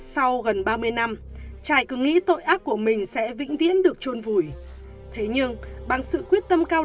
sau gần ba mươi năm trải cứ nghĩ tội ác của mình sẽ vĩnh viễn được trôn vùi thế nhưng bằng sự quyết tâm cao